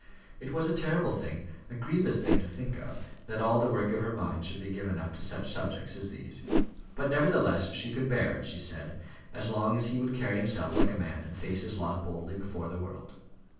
It was a terrible thing a grievous thing to think of, that all the work of her mind should be given up to such subjects as these. But, nevertheless, she could bear it," she said, "as long as he would carry himself like a man, and face his lot boldly before the world."